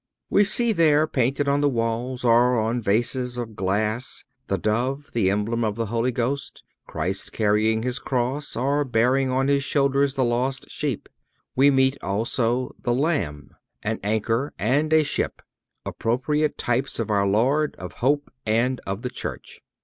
We see there painted on the walls or on vases of glass the Dove, the emblem of the Holy Ghost, Christ carrying His cross, or bearing on His shoulders the lost sheep. We meet also the Lamb, an anchor and a ship—appropriate types of our Lord, of hope and of the Church.